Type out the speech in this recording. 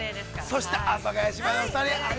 ◆そして、阿佐ヶ谷姉妹のお二人。